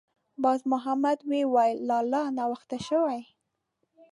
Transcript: باز محمد ویې ویل: «لالا! ناوخته شوې.»